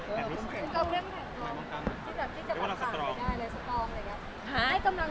คุณก็เพิ่มแข็งร้อง